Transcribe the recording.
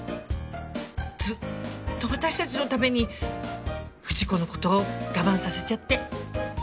ずっと私たちのために藤子のこと我慢させちゃって。